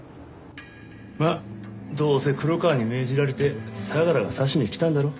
まあどうせ黒川に命じられて相良が刺しに来たんだろ。